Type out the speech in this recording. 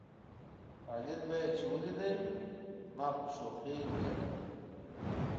خالد به یې چې ولېده زما پر شوخۍ ویل.